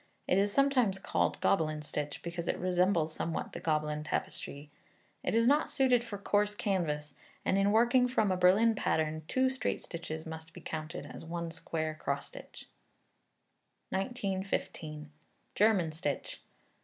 It is sometimes called Gobelin stitch, because it resembles somewhat the Gobelin tapestry. It is not suited for coarse canvas, and, in working from a Berlin pattern, two straight stitches must be counted as one square cross stitch. 1915. German Stitch.